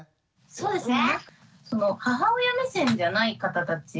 そうですね。